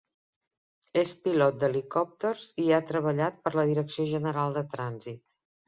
És pilot d'helicòpters i ha treballat per a la Direcció General de Trànsit.